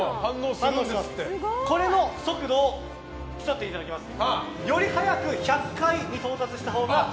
これの速度を競っていただきます。